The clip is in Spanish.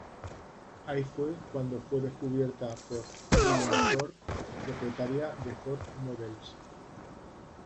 Ahí fue cuando fue descubierta por Eileen Ford, propietaria de Ford Models.